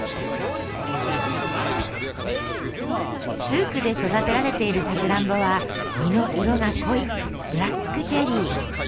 ツークで育てられているさくらんぼは実の色が濃いブラックチェリー。